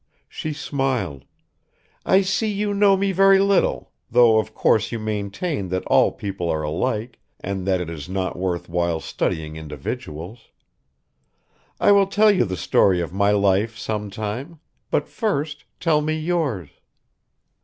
She smiled. "I see you know me very little, though of course you maintain that all people are alike and that it is not worth while studying individuals. I will tell the story of my life sometime ... but first tell me yours."